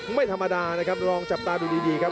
ไม่ธรรมดานะครับลองจับตาดูดีครับ